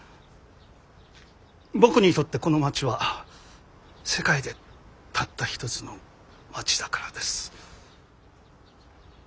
僕にとってこの町は世界でたったひとつの町だからです！